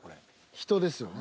人ですよね。